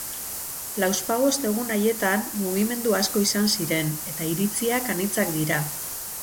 Lauzpabost egun haietan mugimendu asko izan ziren, eta iritziak anitzak dira.